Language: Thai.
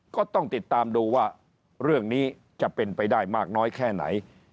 ก็ต้องติดตามดูว่าเรื่องนี้จะเป็นไปได้มากน้อยแค่ไหน